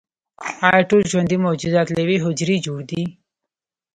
ایا ټول ژوندي موجودات له یوې حجرې جوړ دي